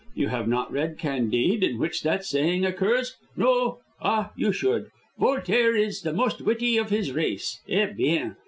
You have not read Candide, in which that saying occurs? No. Ah, you should. Voltaire is the most witty of his race. _Eh bien!